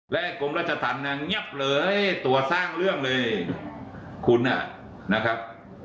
และกรมราชธรรมนางเงียบเลยตัวสร้างเรื่องเลยคุณนะครับ